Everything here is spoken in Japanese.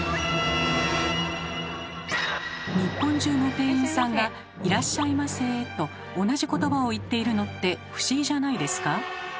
日本中の店員さんが「いらっしゃいませ」と同じ言葉を言っているのって不思議じゃないですか？